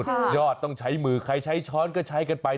ยอดต้องใช้มือใครใช้ช้อนก็ใช้กันไป